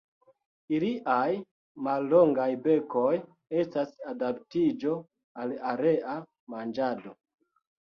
Iliaj mallongaj bekoj estas adaptiĝo al aera manĝado.